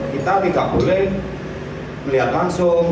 kita tidak boleh melihat langsung